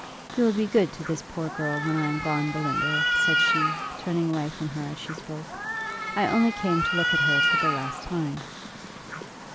"You will be good to this poor girl when I am gone, Belinda!" said she, turning away from her as she spoke: "I only came to look at her for the last time."